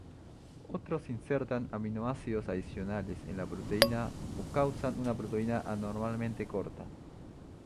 Otros insertan aminoácidos adicionales en la proteína o causan una proteína anormalmente corta.